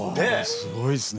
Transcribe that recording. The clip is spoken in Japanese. すごいですね。